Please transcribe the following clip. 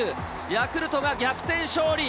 ヤクルトが逆転勝利。